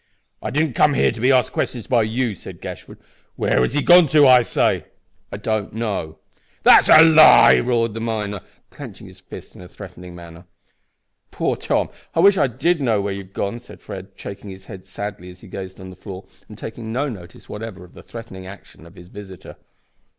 "I didn't come here to be asked questions by you," said Gashford. "Where has he gone to, I say?" "I don't know." "That's a lie!" roared the miner, clenching his fist in a threatening manner. "Poor Tom! I wish I did know where you have gone!" said Fred, shaking his head sadly as he gazed on the floor, and taking no notice whatever of the threatening action of his visitor.